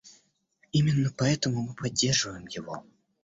Именно поэтому мы поддерживаем его.